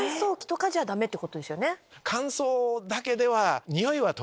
乾燥だけでは。